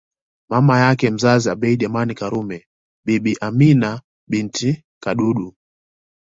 Mama yake mzazi Abeid Amani Karume Bibi Amina binti Kadudu